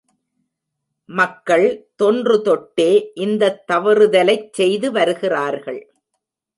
மக்கள் தொன்று தொட்டே இந்தத் தவறுதலைச் செய்து வருகிறார்கள்.